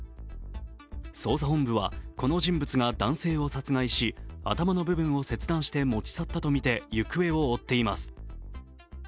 捜査本部はこの人物が男性を殺害し頭の部分を切断して持ち去ったとみて行方を追っています。